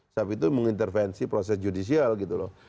saf itu mengintervensi proses judicial gitu loh